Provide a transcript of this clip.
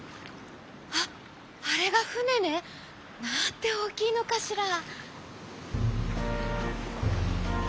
あっあれがふねね。なんておおきいのかしら」。